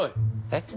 えっ？